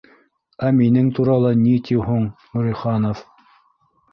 Ә минең турала ни ти һуң Нуриханов?